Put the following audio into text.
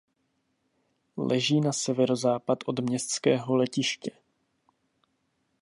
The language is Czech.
Leží na severozápad od městského letiště.